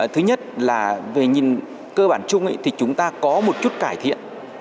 thứ nhất là về nhìn cơ bản chung thì chúng ta có một chút cải thiện